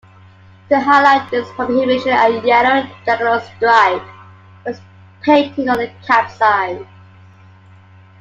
To highlight this prohibition a yellow diagonal stripe was painted on the cab sides.